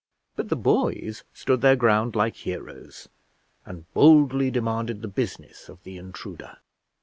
But the boys stood their ground like heroes, and boldly demanded the business of the intruder.